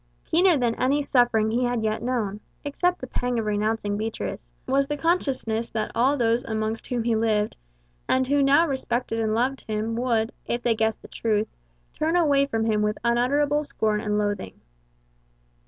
Keener than any suffering he had yet known except the pang of renouncing Beatrix was the consciousness that all those amongst whom he lived, and who now respected and loved him, would, if they guessed the truth, turn away from him with unutterable scorn and loathing.